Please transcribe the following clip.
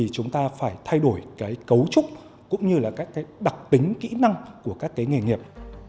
chúng ta phải thay đổi cái cấu trúc cũng như là các đặc tính kỹ năng của các nghề nghiệp